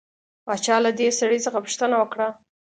باچا له دې سړي څخه پوښتنه وکړه.